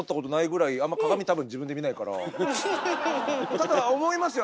ただ思いますよ